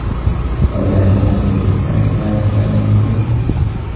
قبل اعتناقه الإسلام، كان سامي مسيحيّا.